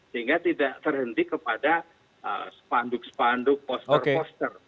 sehingga tidak terhenti kepada spanduk spanduk poster poster